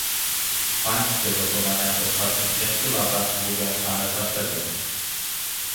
Pańskie dokonania w ostatnich pięciu latach mówią same za siebie